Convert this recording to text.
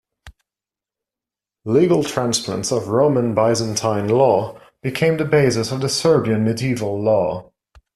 Legal transplants of Roman-Byzantine law became the basis of the Serbian medieval law.